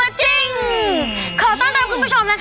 แอร์โหลดแล้วคุณล่ะโหลดแล้ว